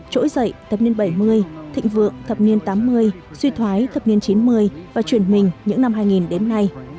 trỗi dậy thập niên bảy mươi thịnh vượng thập niên tám mươi suy thoái thập niên chín mươi và chuyển mình những năm hai nghìn đến nay